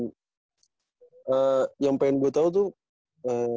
dan yang ingin gue tau tuh